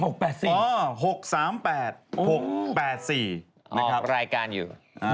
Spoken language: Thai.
ออกรายการอยู่